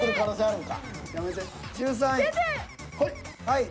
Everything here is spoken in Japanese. はい。